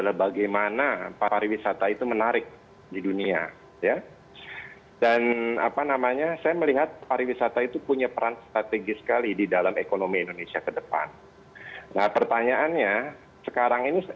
mbak medina mungkin meragukan tentang larangan